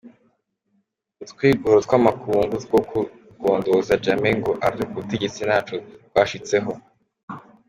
Utwigoro tw'amakungu two kugondoza Jammeh ngo ave ku butegetsi nta co twashitseko.